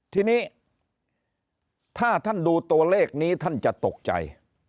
ทีนี้ถ้าท่านดูตัวเลขนี้ท่านจะตกใจ